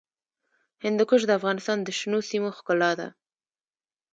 هندوکش د افغانستان د شنو سیمو ښکلا ده.